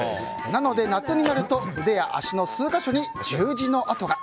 なので夏になると腕や足の数か所に十字の痕が。